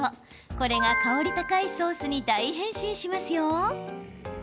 これが香り高いソースに大変身しますよ。